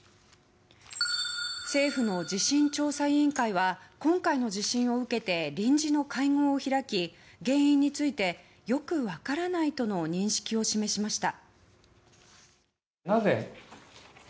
政府の地震調査委員会は今回の地震を受けて臨時の会合を開き、原因についてよく分からないとの認識を示しました。